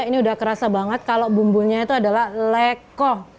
ini udah kerasa banget kalau bumbunya itu adalah leko